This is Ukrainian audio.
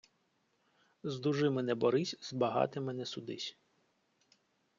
З дужими не борись, з богатими не судись.